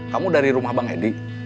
kamu dari rumah bang edi